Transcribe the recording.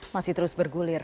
masih terus bergulir